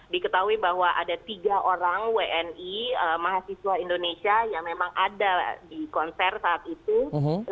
diketahui bahwa ada tiga orang wni mahasiswa indonesia yang memang ada di konser saat itu